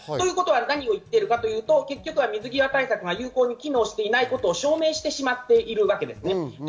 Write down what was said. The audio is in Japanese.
何を言ってるかというと、結局は水際対策が有効に機能していないことを証明してしまっているわけです。